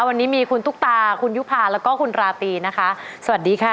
วันนี้มีคุณตุ๊กตาคุณยุภาแล้วก็คุณราปีนะคะสวัสดีค่ะ